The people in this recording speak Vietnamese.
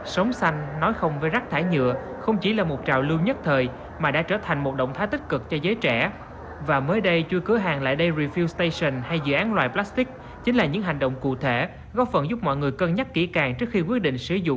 sống xanh nói không về rác thải nhựa không chỉ là một trào lưu nhất thời mà đã trở thành một động thái tích cực cho giới trẻ